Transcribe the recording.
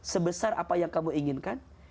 sebesar apa yang kamu inginkan